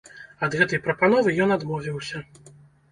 Ад гэтай прапановы ён адмовіўся.